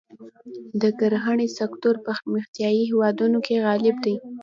د کرهڼې سکتور پرمختیايي هېوادونو کې غالب دی.